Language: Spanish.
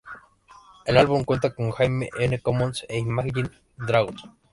El álbum cuenta con "Jamie N Commons" e Imagine Dragons.